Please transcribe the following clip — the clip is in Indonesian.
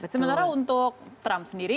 sementara untuk trump sendiri